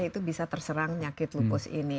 itu bisa terserang penyakit lupus ini